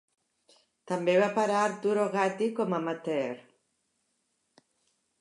També va parar Arturo Gatti com a amateur.